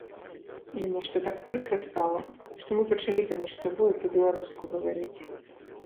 І нешта так прыкра стала, то мы пачалі паміж сабою па-беларуску гаварыць.